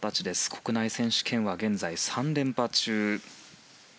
国内選手権は３連覇中。